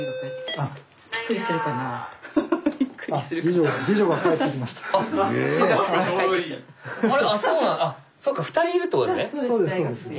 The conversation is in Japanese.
あっそっか２人いるってことですね？